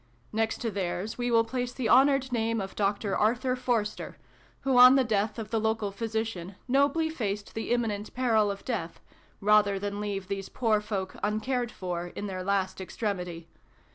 Next to theirs we will place the honoured name of Dr. Arthur Forester, who, on the death xvm] A NEWSPAPER CUTTING. 285 of the local physician, nobly faced the imminent peril of death, rather than leave these poor folk uncared for in their last extremity.